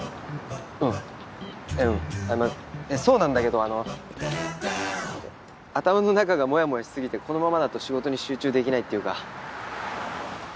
うんうんまあそうなんだけどあのちょっと頭の中がモヤモヤしすぎてこのままだと仕事に集中できないっていうか。